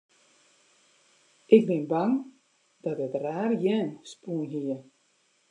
Ik bin bang dat it raar jern spûn hie.